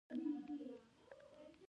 دلته د څنګلونو په ګټو او ارزښت خبرې کوو.